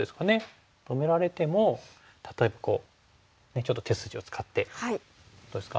止められても例えばこうちょっと手筋を使ってどうですか？